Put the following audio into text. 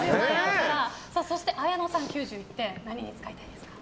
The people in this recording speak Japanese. そしてあやのさん、９１点何に使いたいですか。